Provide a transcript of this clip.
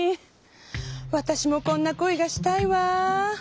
わたしもこんな恋がしたいわ。